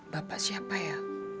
bapak siapa ya